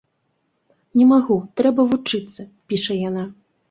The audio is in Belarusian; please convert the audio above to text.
Не магу, трэба вучыцца, піша яна.